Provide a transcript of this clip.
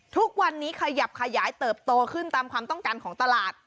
ทุกวันนี้ขยับขยายเติบโตขึ้นตามความต้องการของตลาด